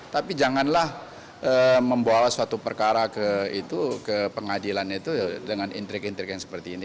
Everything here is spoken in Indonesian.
tapi janganlah membawa suatu perkara ke pengadilan itu dengan intrik intrik yang seperti ini